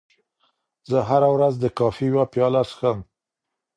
زه هره ورځ د کافي یوه پیاله څښم.